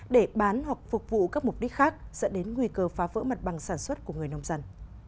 để bán hoặc phục vụ các mục đích khác dẫn đến nguy cơ phá vỡ mặt bằng sản xuất của người nông dân